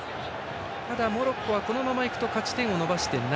モロッコはこのままいくと勝ち点を伸ばして７。